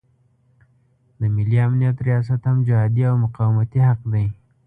د ملي امنیت ریاست هم جهادي او مقاومتي حق دی.